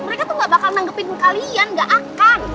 mereka tuh gak bakal nanggepin kalian gak akan